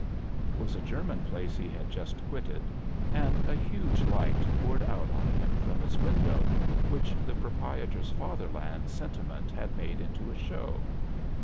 It was a German place Ke had Jtist quitted, and a huge light poured out on him from its window, which the proprietor's fatherland sentiment had made into a show.